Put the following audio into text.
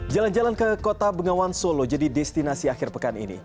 jalan jalan ke kota bengawan solo jadi destinasi akhir pekan ini